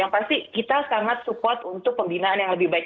yang pasti kita sangat support untuk pembinaan yang lebih baik